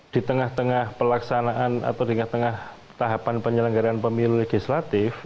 di tengah tengah pelaksanaan atau di tengah tengah tahapan penyelenggaraan pemilu legislatif